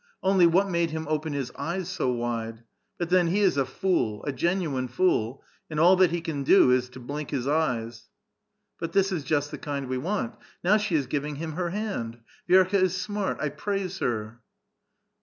Only what made him open his eyes so wide? But then, he is a fool [dwraA:], a genuine fool, and all that he can do is to bhnk his eves. But this is inst the kind we want. Now she is giving him her hand ; Vi^rka is smart ; I praise her